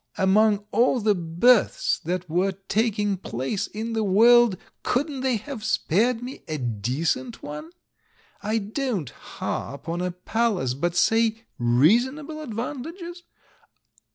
Among all the births that were taking place in the world, couldn't they have spared me a decent one ? I don't harp on a pal ace, but, say, reasonable advantages?